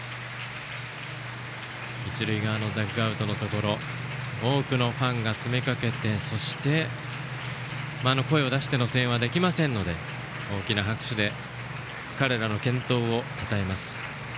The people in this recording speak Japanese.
一塁側ダグアウトのところ多くのファンが詰め掛けて声を出しての声援はできませんので大きな拍手で彼らの健闘をたたえます。